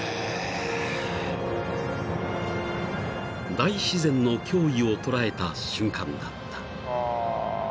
［大自然の脅威を捉えた瞬間だった］